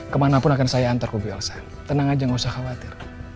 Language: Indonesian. kemanapun akan saya antar ke ibu elsa tenang aja gak usah khawatir